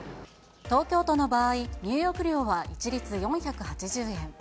東京都の場合、入浴料は一律４８０円。